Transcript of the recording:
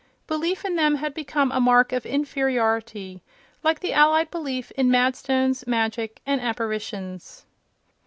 Belief in them had become a mark of inferiority, like the allied belief in madstones, magic and apparitions.